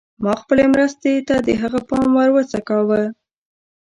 ما خپلې مرستې ته د هغه پام راوڅکاوه.